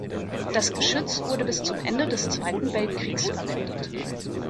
Das Geschütz wurde bis zum Ende des Zweiten Weltkriegs verwendet.